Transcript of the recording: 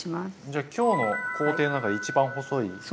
じゃあ今日の工程の中で一番細い感じですね。